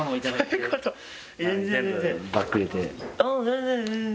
全然全然。